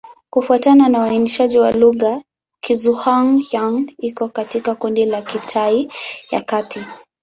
Kufuatana na uainishaji wa lugha, Kizhuang-Yang iko katika kundi la Kitai ya Kati.